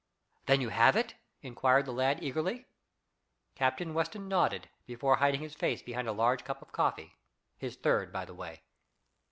"Then you have it?" inquired the lad eagerly. Captain Weston nodded, before hiding his face behind a large cup of coffee; his third, by the way.